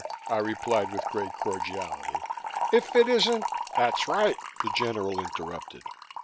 I replied with great cordiality. "If it isn't " "That's right," the General interrupted.